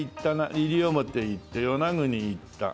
西表行って与那国行った。